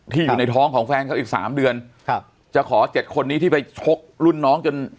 อยู่ในท้องของแฟนเขาอีกสามเดือนครับจะขอเจ็ดคนนี้ที่ไปชกรุ่นน้องจน